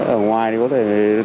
ở ngoài thì có thể